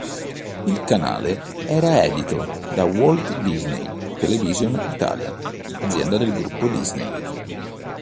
Il canale era edito da Walt Disney Television Italia, azienda del gruppo Disney.